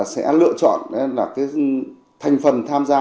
sẽ lựa chọn là cái thành phần tham gia